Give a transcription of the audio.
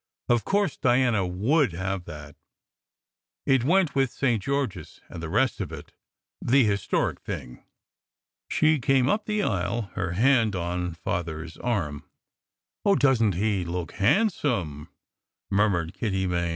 Of course, Diana would have that ! It went with St. George s and the rest of it: the "historic" thing. She came up the aisle, her hand on Father s arm. " Oh, doesn t he look handsome ?" murmured Kitty Main.